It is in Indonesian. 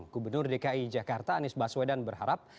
gubernur dki jakarta anies baswedan berharap